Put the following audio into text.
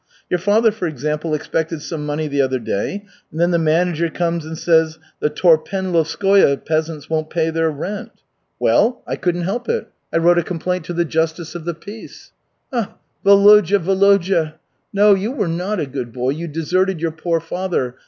Your father, for example, expected some money the other day, and then the manager comes and says, 'The Torpenlovskoye peasants won't pay their rent.' Well, I couldn't help it, I wrote a complaint to the Justice of the Peace. Ah, Volodya, Volodya! No, you were not a good boy. You deserted your poor father.